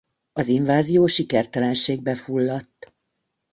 Az invázió sikertelenségbe fulladt.